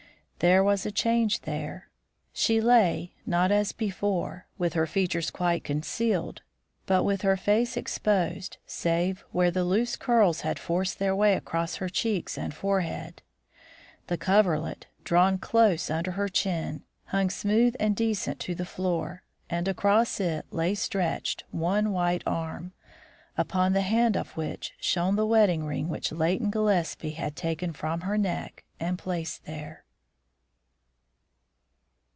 There was a change there. She lay, not as before, with her features quite concealed, but with her face exposed save where the loose curls had forced their way across her cheeks and forehead. The coverlet, drawn close under her chin, hung smooth and decent to the floor, and across it lay stretched one white arm, upon the hand of which shone the wedding ring which Leighton Gillespie had taken from her neck and placed there.